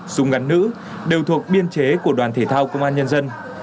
súng ngắn nữ đều thuộc biên chế của đoàn thể thao công an nhân dân